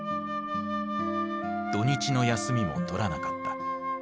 土日の休みも取らなかった。